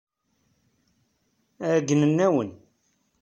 Ɛeyynen-awen.